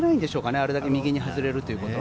あれだけ外れるということは。